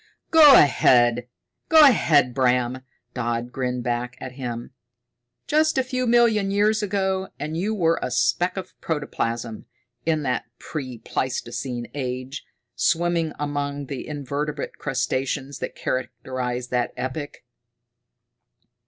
"Go ahead, go ahead, Bram," Dodd grinned back at him. "Just a few million years ago, and you were a speck of protoplasm in that pre pleistocene age swimming among the invertebrate crustaceans that characterized that epoch."